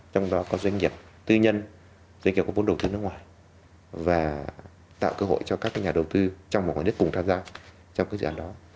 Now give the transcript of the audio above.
trong đó có doanh nghiệp tư nhân doanh nghiệp có vốn đầu tư nước ngoài và tạo cơ hội cho các nhà đầu tư trong và ngoài nước cùng tham gia trong cái dự án đó